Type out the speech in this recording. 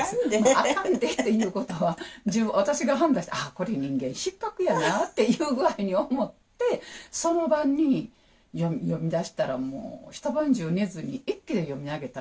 あかんでっていうことは私が判断してああこれ人間失格やなっていう具合に思ってその晩に読みだしたらもう一晩中寝ずに一気に読み上げたんですよ。